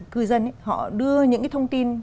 cư dân ấy họ đưa những cái thông tin